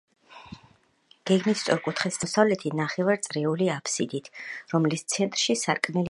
გეგმით სწორკუთხედს წარმოადგენს, აღმოსავლეთით ნახევარწრიული აბსიდით, რომლის ცენტრში სარკმელია გაჭრილი.